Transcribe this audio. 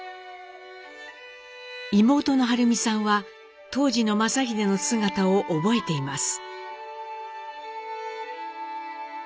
妹の晴美さんは当時の正英の姿を覚えています。